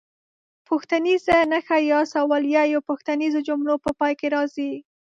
پوښتنیزه نښه یا سوالیه د پوښتنیزو جملو په پای کې راځي.